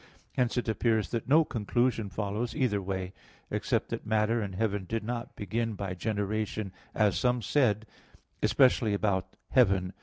Hence it appears that no conclusion follows either way, except that matter and heaven did not begin by generation, as some said, especially about heaven.